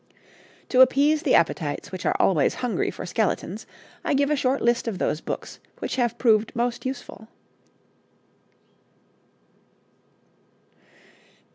To appease the appetites which are always hungry for skeletons, I give a short list of those books which have proved most useful: MS.